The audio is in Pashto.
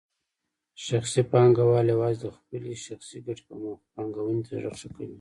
شخصي پانګوال یوازې د خپلې شخصي ګټې په موخه پانګونې ته زړه ښه کوي.